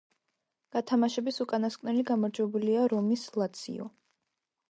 გათამაშების უკანასკნელი გამარჯვებულია რომის „ლაციო“.